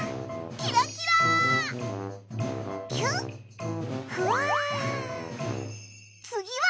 キラキラー！